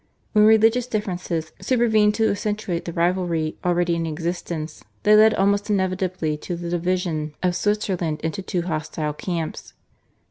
When religious differences supervened to accentuate the rivalry already in existence, they led almost inevitably to the division of Switzerland into two hostile camps.